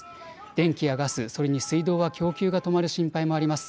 電気やガス、それに水道は供給が止まる心配もあります。